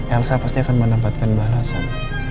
elsa pasti akan menempatkan balasan